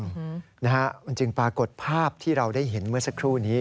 มันจึงปรากฏภาพที่เราได้เห็นเมื่อสักครู่นี้